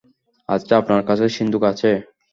আচ্ছা, আপনার কাছে সিন্দুক আছে?